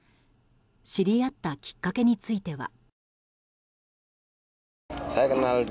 知り合ったきっかけについては。